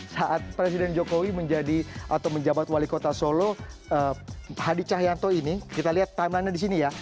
saat presiden jokowi menjadi atau menjabat wali kota solo hadi cahyanto ini kita lihat timeline nya di sini ya